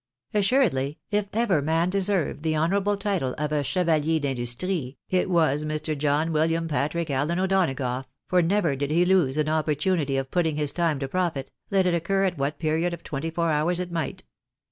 Assuredly, if ever man deserved the honourable title of a chevalier d'industrie, it was Mr. John William Patrick Allen O'Donagough, for never did he lose an opportunity of putting his time to profit, let it occur at what period of twenty four hours it might.